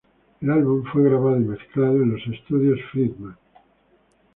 El álbum fue grabado y mezclado en los estudios Friedman.